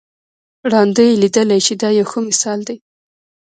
ړانده یې لیدلای شي دا یو ښه مثال دی.